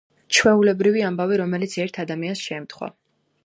ჩვეულებრივი ამბავი, რომელიც ერთ ადამიანს შეემთხვა.